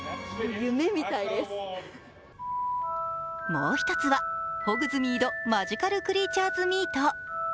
もう一つは、ホグズミード・マジカル・クリーチャーズ・ミート。